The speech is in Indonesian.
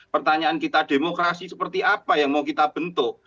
pertanyaan kita demokrasi seperti apa yang mau kita bentuk